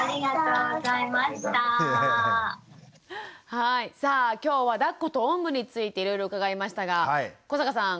はいさあ今日はだっことおんぶについていろいろ伺いましたが古坂さん